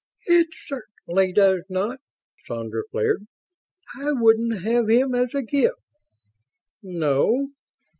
"It certainly does not!" Sandra flared. "I wouldn't have him as a gift!" "No?"